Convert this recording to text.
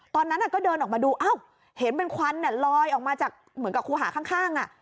ตอนนั้นก็เดินออกมาดูอ้าวเห็นเป็นควันลอยออกมาจากเหมือนกับครูหาข้าง